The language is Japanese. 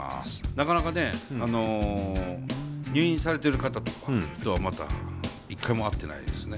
なかなかね入院されてる方とはまだ一回も会ってないですね。